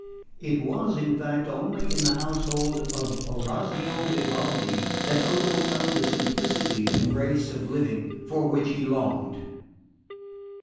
It was in fact only in the household of Orazio Vivaldi that Odo found the simplicity and grace of living for which he longed.